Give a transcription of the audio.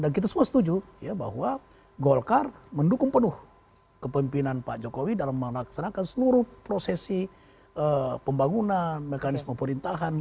dan kita semua setuju bahwa golkar mendukung penuh kepemimpinan pak jokowi dalam melaksanakan seluruh prosesi pembangunan mekanisme perintahan